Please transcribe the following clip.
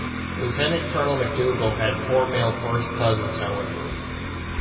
Lieutenant Colonel MacDougall had four male first cousins, however.